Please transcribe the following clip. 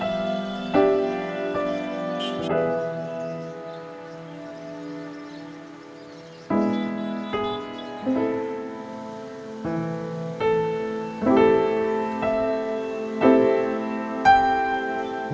sebenarnya sempat tadi pak